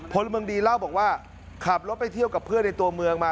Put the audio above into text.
พลเมืองดีเล่าบอกว่าขับรถไปเที่ยวกับเพื่อนในตัวเมืองมา